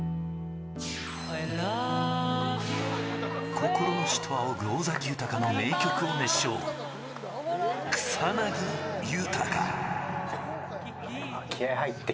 心の師と仰ぐ尾崎豊の名曲を熱唱、草薙豊。